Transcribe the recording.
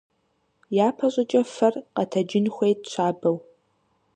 ЯпэщӀыкӀэ фэр гъэтэджын хуейт щабэу.